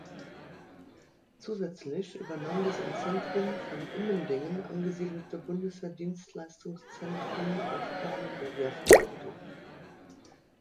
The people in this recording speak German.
Zusätzlich übernahm das im Zentrum von Immendingen angesiedelte Bundeswehr-Dienstleistungszentrum Aufgaben der Wehrverwaltung.